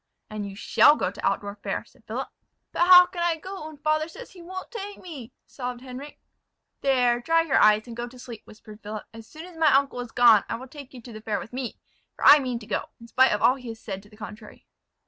"And you shall go to Altdorf fair," said Philip. "But how can I go, when father says he won't take me?" sobbed Henric. "There, dry your eyes, and go to sleep," whispered Philip; "as soon as my uncle is gone I will take you to the fair with me; for I mean to go, in spite of all he has said to the contrary."